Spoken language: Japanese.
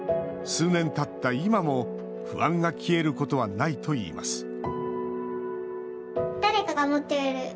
数年たった今も、不安が消えることはないといいます